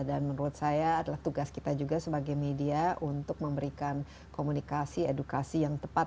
dan menurut saya adalah tugas kita juga sebagai media untuk memberikan komunikasi edukasi yang tepat